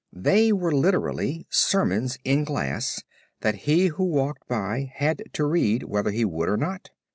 They were literally sermons in glass that he who walked by had to read whether he would or not.